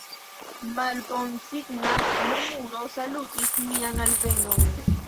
Malbonsigna murmuro salutis mian alvenon.